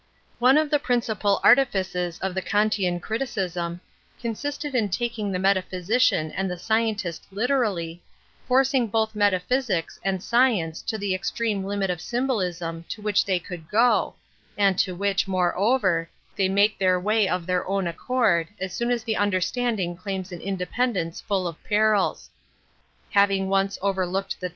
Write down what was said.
One of the principal artifices of the Kantian criticism consisted in taking the : metaphysician and the scientist literally, Metaphysics 8i forcing both metaphysics and science to the extreme limit of symbolism to which they could go, and to which, moreover, they make their way of their own accord as soon as the understanding claims an independence full of perils. Having once overlooked the